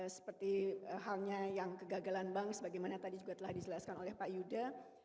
seperti halnya yang kegagalan bank sebagaimana tadi juga telah dijelaskan oleh pak yuda